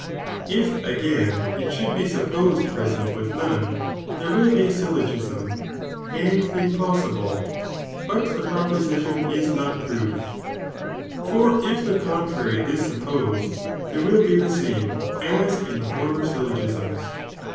If, again, it should be supposed present with none, there will be a syllogism, and the impossible, but the proposition is not proved, for if the contrary is supposed there will be tlie same* as in the former (syllogisms).